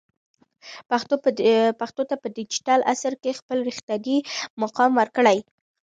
پښتو ته په ډیجیټل عصر کې خپل رښتینی مقام ورکړئ.